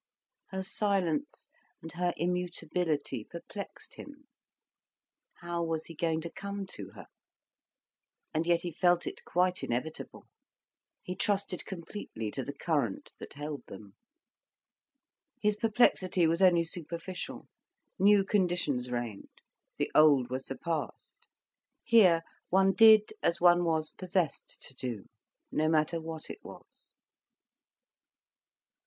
Her silence and her immutability perplexed him. How was he going to come to her? And yet he felt it quite inevitable. He trusted completely to the current that held them. His perplexity was only superficial, new conditions reigned, the old were surpassed; here one did as one was possessed to do, no matter what it was.